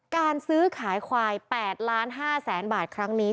การซื้อขายควาย๘๕๐๐๐๐บาทครั้งนี้